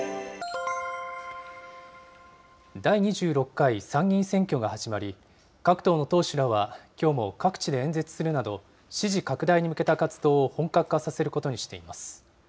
第２６回参議院選挙が始まり、各党の党首らは、きょうも各地で演説するなど、支持拡大に向けた活動を本格化させることにしています。